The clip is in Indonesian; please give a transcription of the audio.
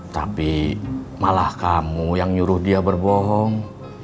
tapi malah kamu yang nyuruh dia berbohong